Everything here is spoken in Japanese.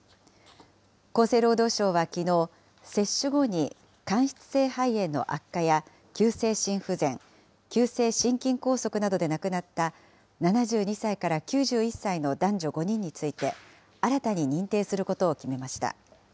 厚生労働省はきのう、接種後に間質性肺炎の悪化や、急性心不全、急性心筋梗塞などで亡くなった、７２歳から９１歳の男女５人について、新たに認定することを決めました。